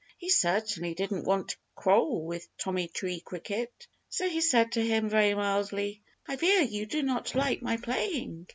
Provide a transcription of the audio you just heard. He certainly didn't want to quarrel with Tommy Tree Cricket. So he said to him, very mildly, "I fear you do not like my playing."